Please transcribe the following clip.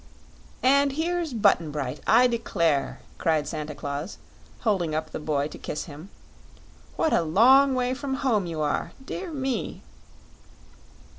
"And here's Button Bright, I declare!" cried Santa Claus, holding up the boy to kiss him. "What a long way from home you are; dear me!"